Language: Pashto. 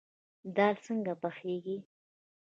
دال څنګه پخیږي؟